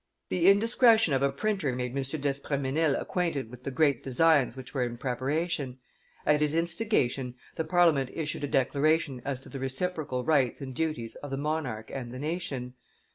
The indiscretion of a printer made M. d'Espremesnil acquainted with the great designs which were in preparation; at his instigation the Parliament issued a declaration as to the reciprocal rights and duties of the monarch and the nation.